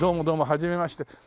はじめまして。